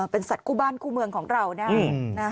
เป็นสัตว์กู้บ้านกู้เมืองของเราได้